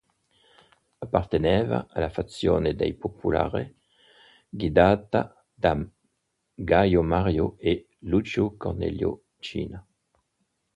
Apparteneva alla fazione dei populares, guidata da Gaio Mario e Lucio Cornelio Cinna.